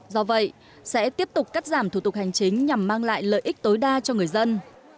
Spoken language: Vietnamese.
do vậy sẽ tiếp tục cắt giảm thủ tục hành chính nhằm mang lại lợi ích tối đa cho người dân